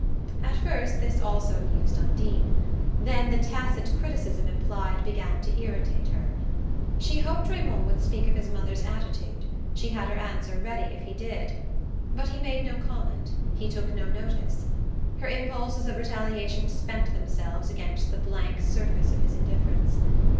At first this also amused Undine; then the tacit criticism implied began to irritate her. She hoped Raymond would speak of his mother's attitude: she had her answer ready if he did! But he made no comment, he took no notice; her impulses of retaliation spent themselves against the blank surface of his indifference.